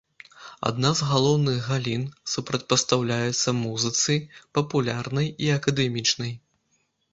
Адна з галоўных галін, супрацьпастаўляецца музыцы папулярнай і акадэмічнай.